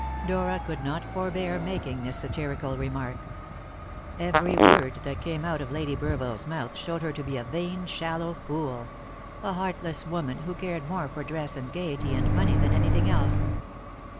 Dora could not forbear making this satirical remark. Every word that came out of Lady Burville's mouth showed her to be a vain, shallow fool; a heartless woman, who cared more for dress and gaiety and money than anything else.